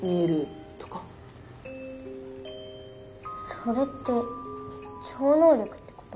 それって超能力ってこと？